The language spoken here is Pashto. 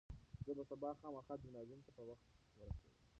زه به سبا خامخا جمنازیوم ته په وخت ورسېږم.